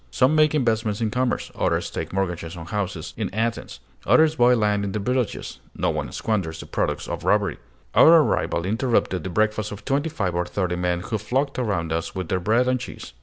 Some make investments in commerce, others take mortgages on houses in Athens, others buy land in their villages; no one squanders the products of robbery. Our arrival interrupted the breakfast of twenty five or thirty men, who flocked around us with their bread and cheese.